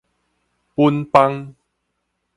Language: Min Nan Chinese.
本邦